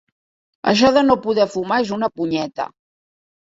Això de no poder fumar és una punyeta.